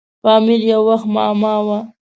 پامیر یو وخت معما وه.